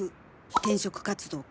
「転職活動可」